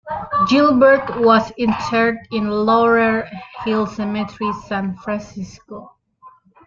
Gilbert was interred in Laurel Hill Cemetery, San Francisco.